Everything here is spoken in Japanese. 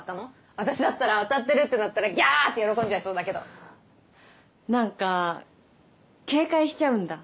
私だったら当たってるってなったらギャーッて喜んじゃいそうだけどなんか警戒しちゃうんだ